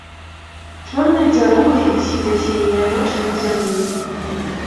Чорнай дзяругай вісіць асенняя ноч над зямлёй.